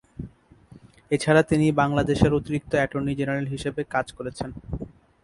এছাড়া তিনি বাংলাদেশের অতিরিক্ত অ্যাটর্নি জেনারেল হিসাবে কাজ করেছেন।